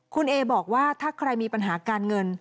คุณเอบอกว่าถ้าใครมีปัญหาการเงิน